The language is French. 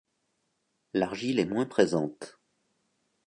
L'argile est moins présente.